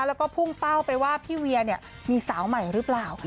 แล้วก็พุ่งเป้าไปว่าพี่เวียเนี่ยมีสาวใหม่หรือเปล่า